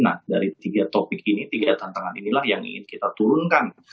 nah dari tiga topik ini tiga tantangan inilah yang ingin kita turunkan